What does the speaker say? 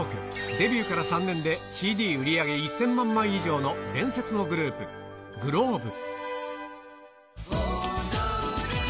デビューから３年でＣＤ売り上げ１０００万枚以上の伝説のグループ、ｇｌｏｂｅ。